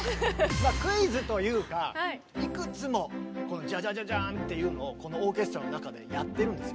まあクイズというかいくつもこの「ジャジャジャジャン」っていうのをこのオーケストラの中でやってるんですよ。